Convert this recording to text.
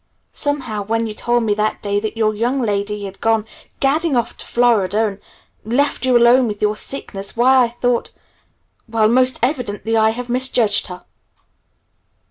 Somehow when you told me that day that your young lady had gone gadding off to Florida and left you alone with your sickness, why I thought well, most evidently I have misjudged her."